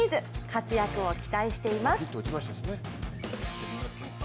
活躍を期待しています。